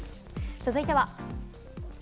続いては。